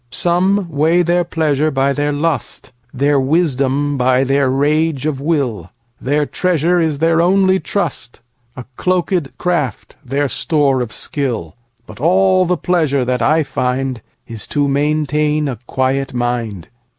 Some weigh their pleasure by their lust, Their wisdom by their rage of will; Their treasure is their only trust,A cloakèd craft their store of skill; But all the pleasure that I findIs to maintain a quiet mind.